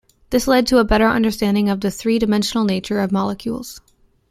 This led to a better understanding of the three-dimensional nature of molecules.